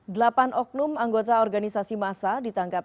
delapan oknum anggota organisasi masa ditangkap